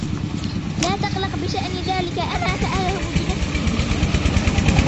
لا تقلق بشأن ذلك, أنا سأذهب بنفسي.